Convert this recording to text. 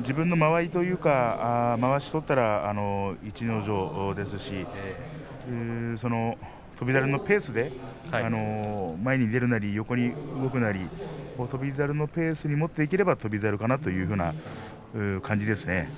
自分の間合いというかまわしを取ったら逸ノ城ですし翔猿のペースで前に出るなり横に動くなり翔猿のペースに持っていければ翔猿かなという感じですね。